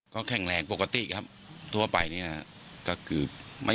ก็แข็งแรงปกติครับทั่วไปนี้นะฮะ